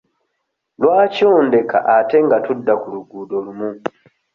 Lwaki ondeka ate nga tudda ku luguudo lumu?